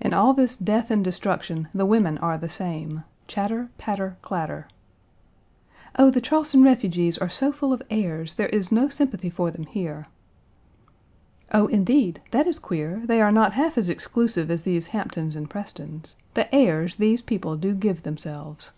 In all this death and destruction, the women are the same chatter, patter, clatter. "Oh, the Charleston refugees are so full of airs; there is no sympathy for them here!" "Oh, indeed! That is queer. They are not half as exclusive as these Hamptons and Prestons. The airs these people do give themselves."